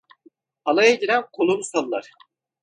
Halaya giren kolunu sallar.